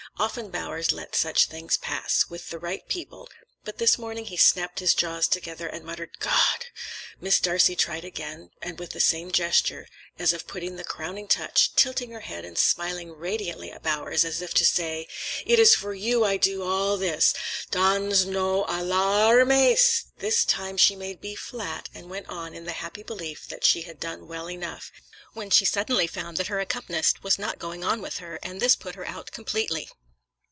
Often Bowers let such things pass—with the right people—but this morning he snapped his jaws together and muttered, "God!" Miss Darcey tried again, with the same gesture as of putting the crowning touch, tilting her head and smiling radiantly at Bowers, as if to say, "It is for you I do all this!" Dans—nos a—lár———mes! This time she made B flat, and went on in the happy belief that she had done well enough, when she suddenly found that her accompanist was not going on with her, and this put her out completely.